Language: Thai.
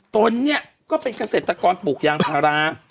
ตนเนี่ยก็เป็นเกษตรกรปลูกยางพารา